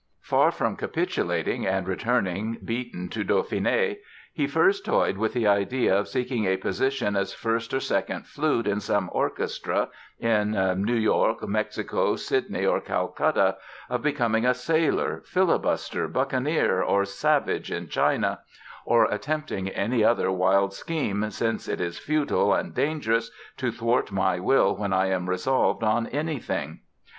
Far from capitulating and returning, beaten, to Dauphiné, he first toyed with the idea of seeking a position as first or second flute in some orchestra "in New York, Mexico, Sydney or Calcutta, of becoming a sailor, filibuster, buccaneer or savage in China" or attempting any other wild scheme since "it is futile and dangerous to thwart my will when I am resolved on anything".